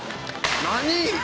何？